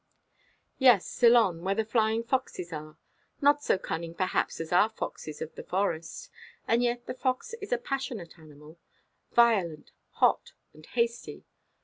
"Yes, Ceylon, where the flying foxes are. Not so cunning, perhaps, as our foxes of the Forest. And yet the fox is a passionate animal. Violent, hot, and hasty.